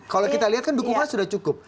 kalau kita lihat kan dukungan sudah cukup